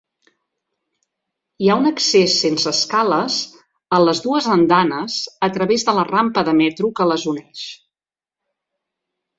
Hi ha un accés sense escales a les dues andanes a través de la rampa de metro que les uneix.